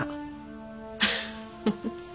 フッフフ。